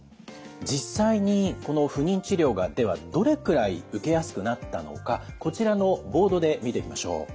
実際にこの不妊治療がではどれくらい受けやすくなったのかこちらのボードで見ていきましょう。